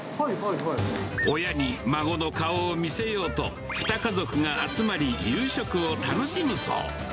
親に孫の顔を見せようと、２家族が集まり、夕食を楽しむそう。